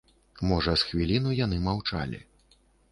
Можа, з хвіліну яны маўчалі.